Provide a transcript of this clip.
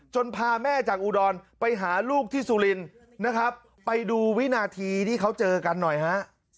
พาแม่จากอุดรไปหาลูกที่สุรินทร์นะครับไปดูวินาทีที่เขาเจอกันหน่อยฮะ